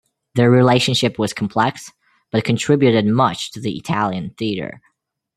Their relationship was complex but contributed much to the Italian theatre.